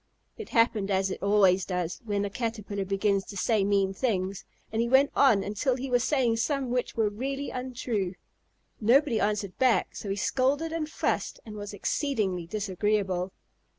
It happened as it always does when a Caterpillar begins to say mean things, and he went on until he was saying some which were really untrue. Nobody answered back, so he scolded and fussed and was exceedingly disagreeable.